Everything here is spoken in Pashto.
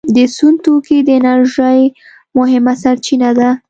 د سون توکي د انرژۍ مهمه سرچینه ده.